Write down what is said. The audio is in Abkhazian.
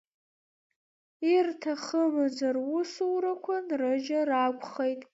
Ирҭахымыз русурақәа нрыжьыр акәхеит.